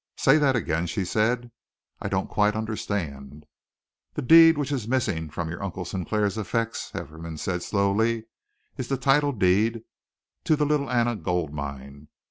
"Say that again," she said. "I don't quite understand." "The deed which is missing from your Uncle Sinclair's effects," Hefferom said slowly, "is the title deed to the Little Anna Gold Mine.